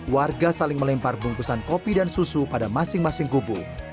warga saling melempar bungkusan kopi dan susu pada masing masing gubung